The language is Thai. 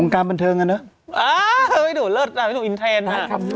องค์การบันเทิงอ่ะเนอะอ้าวเพื่อนหนูเลิศอ่ะเพื่อนหนูอินเทนฮะ